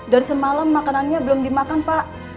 dari semalam makanannya belum dimakan pak